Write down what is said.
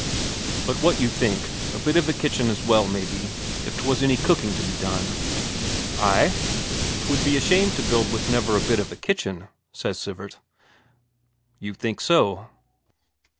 But what you think: a bit of a kitchen as well, maybe, if 'twas any cooking to be done?" "Ay, 'twould be a shame to built with never a bit of kitchen," says Sivert. "You think so?"